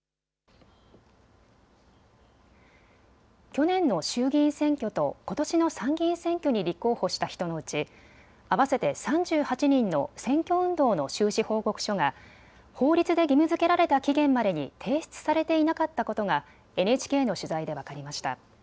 去年の衆議院選挙とことしの参議院選挙に立候補した人のうち合わせて３８人の選挙運動の収支報告書が法律で義務づけられた期限までに提出されていなかったことがＮＨＫの取材で分かりました。